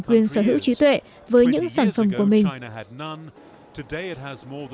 quyền sở hữu trí tuệ với những sản phẩm của mình